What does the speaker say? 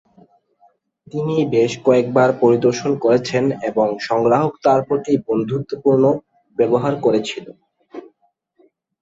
তিনি বেশ কয়েকবার পরিদর্শন করেছেন এবং সংগ্রাহক তার প্রতি বন্ধুত্বপূর্ণ ব্যবহার করেছিলো।